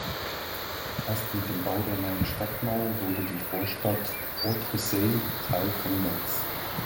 Erst mit dem Bau der neuen Stadtmauer wurde die Vorstadt Outre-Seille Teil von Metz.